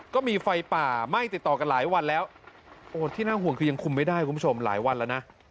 ก็มีไฟป่าไหม้ติดต่อกันหลายวันแล้วโอ้ที่น่าห่วงคือยังคุมไม่ได้คุณผู้ชมหลายวันแล้วนะ